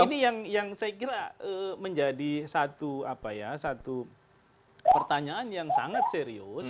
ini yang saya kira menjadi satu pertanyaan yang sangat serius